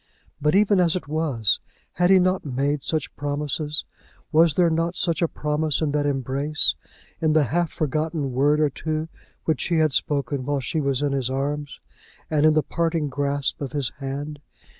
But even as it was, had he not made such promises? Was there not such a promise in that embrace, in the half forgotten word or two which he had spoken while she was in his arms, and in the parting grasp of his hand?